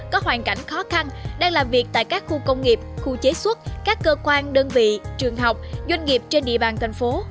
có hoàn cảnh khó khăn đang làm việc tại các khu công nghiệp khu chế xuất các cơ quan đơn vị trường học doanh nghiệp trên địa bàn thành phố